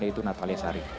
yaitu natalia sari